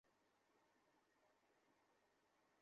সেটা তো আপনাকে করতেই হবে।